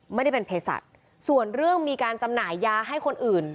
ไม่ได้เป็นเพศัตริย์ส่วนเรื่องมีการจำหน่ายยาให้คนอื่น